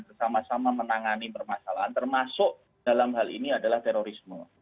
bersama sama menangani permasalahan termasuk dalam hal ini adalah terorisme